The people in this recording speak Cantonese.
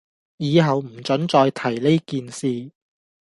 以後唔准再提呢件事